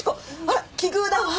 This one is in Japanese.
あら奇遇だわ。